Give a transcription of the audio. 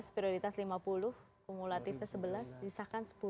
dua ribu delapan belas prioritas lima puluh kumulatifnya sebelas disahkan sepuluh